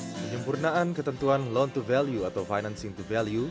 penyempurnaan ketentuan loan to value atau financing to value